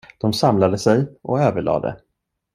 De samlade sig och överlade.